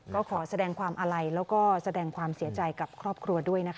ก็ขอแสดงความอาลัยแล้วก็แสดงความเสียใจกับครอบครัวด้วยนะคะ